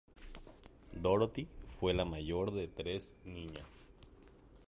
Dorothy fue la mayor de tres niñas.